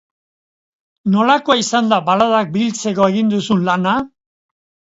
Nolakoa izan da baladak biltzeko egin duzun lana?